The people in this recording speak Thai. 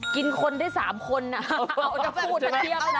กินคนนั้น๓คนเอาก็จะพูดกระเเบียบนะ